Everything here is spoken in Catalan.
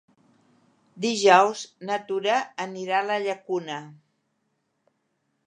Dijous na Tura anirà a la Llacuna.